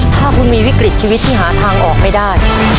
ถ้าคุณมีวิกฤตชีวิตที่หาทางออกไม่ได้